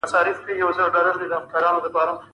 زوړ ښار د لرغوني تمدن له امله مشهور دی.